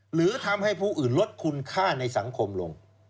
หรือทำให้ผู้อื่นลดคุณค่าในสังคมลง